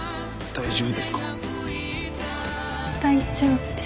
大丈夫です。